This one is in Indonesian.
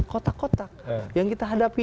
kotak kotak yang kita hadapi